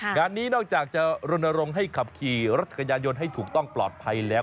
งานนี้นอกจากจะหลุดระโดนที่ให้ขับขี่รถคาญญาณยนต์ถูกต้องปลอดภัยแล้ว